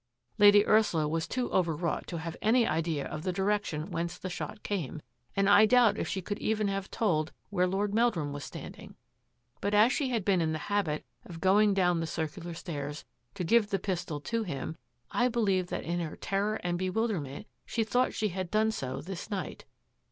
Lady Ursula was too overwrought to have any idea of the direction whence the shot came, and I doubt if she could even have told where Lord Meldrimi was standing. But as she had been in the habit of going down the circular stairs to give the pistol to him, I believe that in her terror and bewilderment she thought she had done so this night.